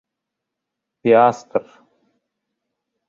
— Пиастр!